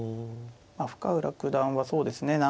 まあ深浦九段はそうですね